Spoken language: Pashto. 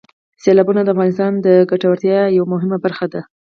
سیلابونه د افغانانو د ګټورتیا یوه مهمه برخه ده.